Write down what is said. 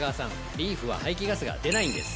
リーフは排気ガスが出ないんです！